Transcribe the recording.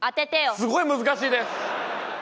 すごい難しいです！